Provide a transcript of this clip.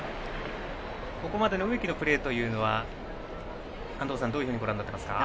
ここまでの植木のプレーは安藤さん、どういうふうにご覧になっていますか。